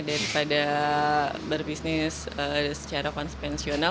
daripada berbisnis secara konspensional